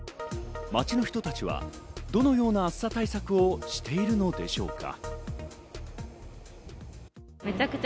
街の人たちはどのような暑さ対策をしているのでしょうか。